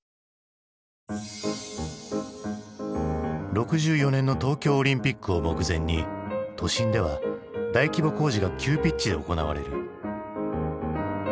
６４年の東京オリンピックを目前に都心では大規模工事が急ピッチで行われる。